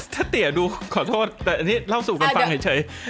ถ้าเตี๋ยดูขอโทษแต่อันนี้เล่าสู่กันฟังเฉย